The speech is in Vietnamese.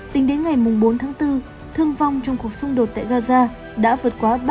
tính đến ngày bốn tháng bốn thương vong trong cuộc xung đột tại gaza đã vượt qua ba mươi ba